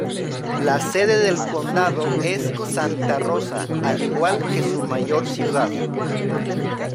La sede del condado es Santa Rosa, al igual que su mayor ciudad.